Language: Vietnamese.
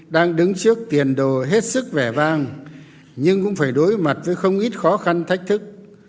đang đứng trước tiền đồ hết sức vẻ vang nhưng cũng phải đối mặt với không ít khó khăn thách thức